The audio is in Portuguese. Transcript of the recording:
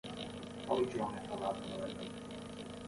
Qual idioma é falado na Alemanha?